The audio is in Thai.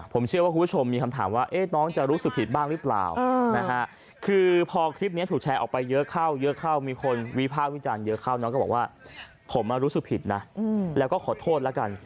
ผมรู้สึกผิดนะแล้วก็ขอโทษแล้วกัน